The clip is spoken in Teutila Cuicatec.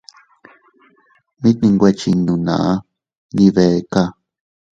Mit ndinwe chinnu naa, ndi beeka.